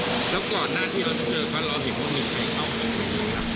แล้วก็หน้าที่ที่เราเจอฟันลอหิปว่ามีใครเขาบอกเรื่องไหมครับ